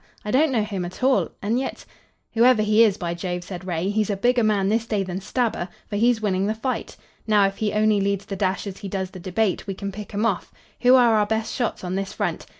"I don't know him at all and yet " "Whoever he is, by Jove," said Ray, "he's a bigger man this day than Stabber, for he's winning the fight. Now, if he only leads the dash as he does the debate, we can pick him off. Who are our best shots on this front?"